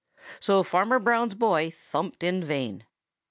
So Farmer Brown's boy thumped in vain.